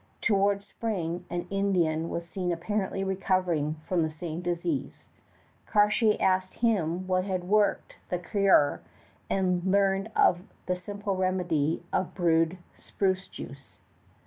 Toward spring an Indian was seen apparently recovering from the same disease. Cartier asked him what had worked the cure and learned of the simple remedy of brewed spruce juice.